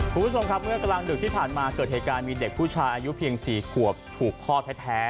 คุณผู้ชมครับเมื่อกลางดึกที่ผ่านมาเกิดเหตุการณ์มีเด็กผู้ชายอายุเพียง๔ขวบถูกพ่อแท้